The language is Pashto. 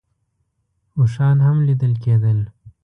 اوښان هم لیدل کېدل.